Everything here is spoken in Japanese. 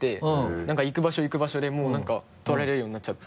何か行く場所行く場所でもう何か撮られるようになっちゃって。